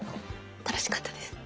楽しかったです。